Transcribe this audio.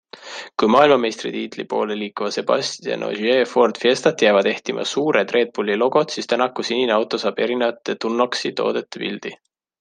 Kui maailmameistritiitli poole liikuva Sebastien Ogier' Ford Fiestat jäävad ehtima suured Red Bulli logod, siis Tänaku sinine auto saab erinevate Tunnock'si toodete pildid.